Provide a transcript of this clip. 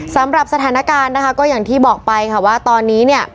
สำหรับสถานการณ์ก็อย่างที่บอกไปว่าตอนนี้